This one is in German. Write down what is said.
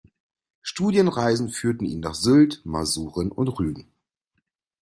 Studienreisen führten ihn nach Sylt, Masuren und Rügen.